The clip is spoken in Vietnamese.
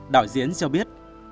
đạo diễn cho biết